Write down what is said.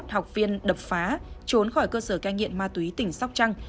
một trăm chín mươi một học viên đập phá trốn khỏi cơ sở canh nhiện ma túy tỉnh sóc trăng